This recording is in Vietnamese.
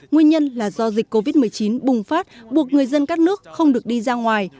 nguyên nhân là do dịch covid một mươi chín bùng phát buộc người dân các nước không được đi ra ngoài